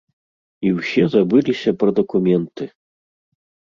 І ўсе забыліся пра дакументы!